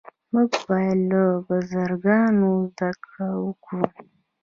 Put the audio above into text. موږ باید له بزرګانو زده کړه وکړو.